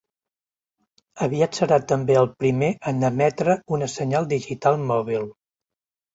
Aviat serà també el primer en emetre una senyal digital mòbil.